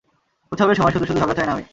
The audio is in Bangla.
উৎসবের সময় শুধু-শুধু ঝগড়া চাই না আমি।